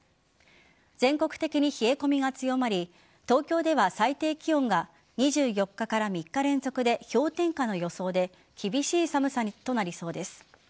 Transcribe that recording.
全国的に冷え込みが強まり東京では最低気温が２４日から３日連続で氷点下の予想で厳しい寒さとなりそうです。